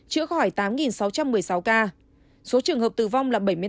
chữa khỏi tám sáu trăm một mươi sáu ca số trường hợp tử vong là bảy mươi tám ca